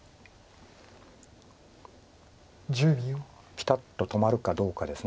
ピタッと止まるかどうかです。